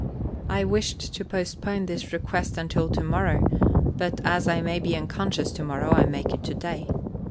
I wished to postpone this request until to morrow, but as I may be unconscious to morrow I make it to day.